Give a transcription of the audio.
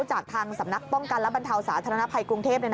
จากทางสำนักป้องกันและบรรเทาสาธารณภัยกรุงเทพ